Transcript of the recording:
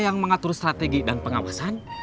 yang mengatur strategi dan pengawasan